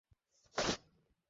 আজ ধরা পড়েছে আমার খাঁচায়।